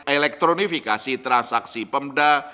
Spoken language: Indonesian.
elektronifikasi transaksi pemubah radar